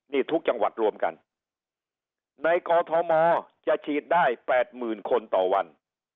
นี่ทุกจังหวัดรวมกันในกอทมจะฉีดได้๘๐๐๐คนต่อวัน